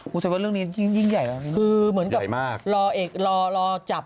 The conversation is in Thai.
กูคิดว่าเรื่องนี้ยิ่งใหญ่แล้วนึงนะครับใหญ่มากคือเหมือนกับรอจับ